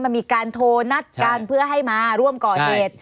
มันมีการโทรนัดกันเพื่อให้มาร่วมก่อเหตุ